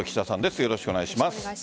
よろしくお願いします。